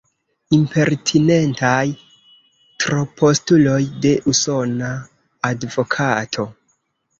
Impertinentaj tropostuloj de usona advokato.